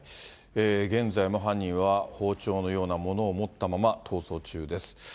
現在も犯人は包丁のようなものを持ったまま逃走中です。